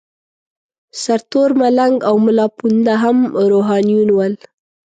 سرتور ملنګ او ملاپوونده هم روحانیون ول.